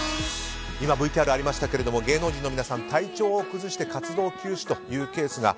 今、ＶＴＲありましたが芸能人の皆さん、体調を崩して活動休止というケースが。